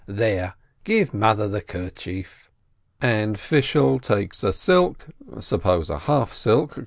There — give mother the kerchief!" And Fishel takes a silk (suppose a half silk!)